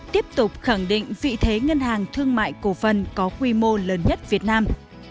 tiếp tục khẳng định vị thế ngân hàng thương mại cổ phần có quy mô lớn nhất việt nam